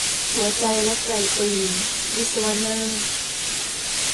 หัวใจและไกปืน - วิศวนาถ